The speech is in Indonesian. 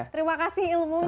terima kasih ilmunya